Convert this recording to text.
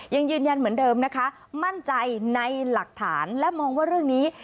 ยังยืนยันเหมือนเดิมนะคะมั่นใจในหลักฐานและมองว่าเรื่องนี้